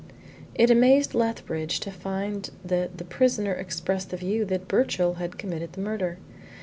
It amazed Lethbridge to find that the prisoner expressed the view that Birchill had committed the murder.